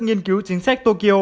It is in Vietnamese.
nghiên cứu chính sách tokyo lưu ý